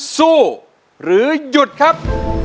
สู้หรือหยุดครับ